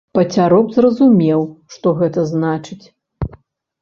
Пацяроб зразумеў, што гэта значыць.